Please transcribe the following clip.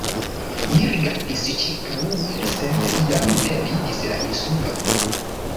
Mi rigardis ĉirkaŭe, sed jam ne vidis la Insulon.